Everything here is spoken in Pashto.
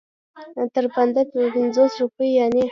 تر بنده په پنځو روپو یعنې.